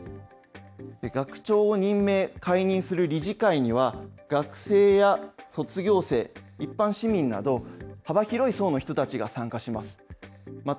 学長を任命・解任する理事会には、学生や卒業生、一般市民など、幅広い層の人たちが参加します。